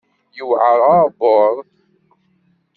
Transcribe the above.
Yewɛer uɛebbuḍ.